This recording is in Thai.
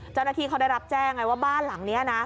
เจ้าหน้าที่เขาได้รับแจ้งไงว่าบ้านหลังนี้นะ